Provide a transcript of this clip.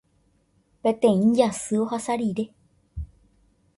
Peteĩ jasy ohasa rire.